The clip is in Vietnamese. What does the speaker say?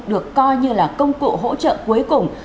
được coi như là công cụ hỗ trợ cuối cùng